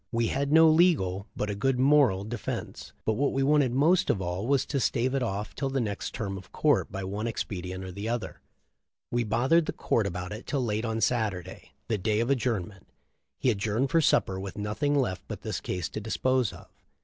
We had no legal, but a good moral defense, but what we wanted most of all was to stave it off till the next term of court by one expedient or another. We bothered "the court" about it till late on Saturday, the day of adjourn ment. He adjourned for supper with nothing left but this case to dispose of.